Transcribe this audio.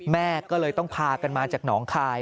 แม่ก็เลยต้องพากันมาจากหนองคาย